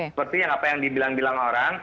seperti yang apa yang dibilang bilang orang